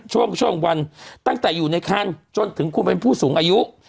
ช่วงช่วงวันตั้งแต่อยู่ในคันจนถึงคุณเป็นผู้สูงอายุ